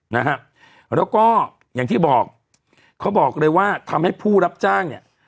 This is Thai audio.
นะฮะแล้วก็อย่างที่บอกเขาบอกเลยว่าทำให้ผู้รับจ้างเนี่ย